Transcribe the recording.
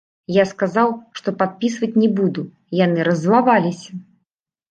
Я сказаў, што падпісваць не буду, яны раззлаваліся.